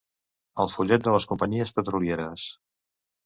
El follet de les companyies petrolieres.